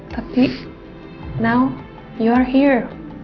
tapi sekarang kamu ada disini